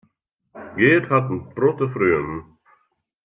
Geart hat in protte freonen.